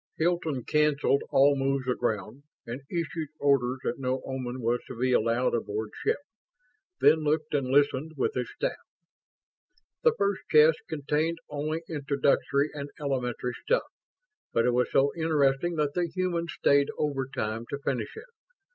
Hilton canceled all moves aground and issued orders that no Oman was to be allowed aboard ship, then looked and listened with his staff. The first chest contained only introductory and elementary stuff; but it was so interesting that the humans stayed overtime to finish it.